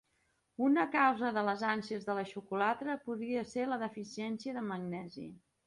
Una causa de les ànsies de xocolata podria ser la deficiència de magnesi.